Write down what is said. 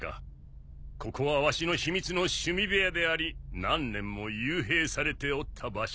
ここはわしの秘密の趣味部屋であり何年も幽閉されておった場所だ。